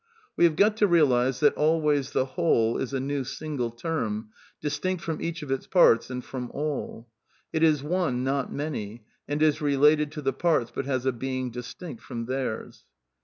We have got to realize that always " the w hole is a new single^termj distinct fr6m each of its parts and from all : it is one, noT many^ and is related to the parts but has a being distinct from theirs."